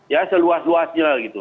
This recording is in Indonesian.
ya seluas luasnya gitu